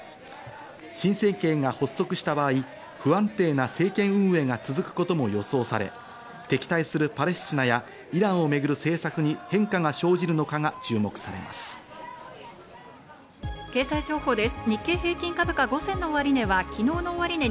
新政権が発足した場合、不安定な政権運営が続くことも予想され、敵対するパレスチナやイランをめぐる政策に経済情報です。